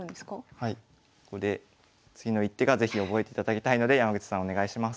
ここで次の一手が是非覚えていただきたいので山口さんお願いします。